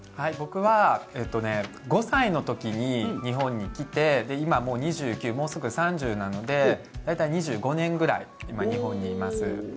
僕は５歳の時に日本に来て今、もう２９もうすぐ３０なので大体２５年ぐらい今、日本にいます。